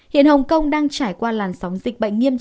hiện hồng kông đang trải qua làn sóng dịch bệnh nghiêm trọng